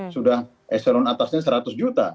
sudah eselon atasnya seratus juta